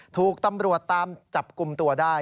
ถูกตำรวจตามจับกลุ่มตัวได้